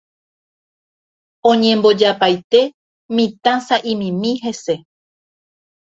Oñembojapaite mitã sa'imimi hese